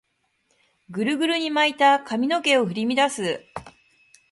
グルグルに巻いた髪の毛を振り乱す